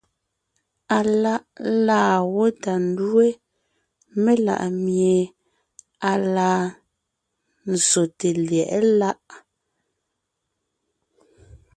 Aláʼ laa gwó tà ńdúe melaʼmie à laa nzsòte lyɛ̌ʼɛ láʼ.